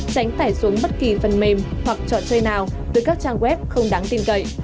tránh tải xuống bất kỳ phần mềm hoặc trò chơi nào với các trang web không đáng tin cậy